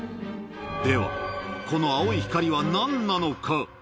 では、この青い光はなんなのか。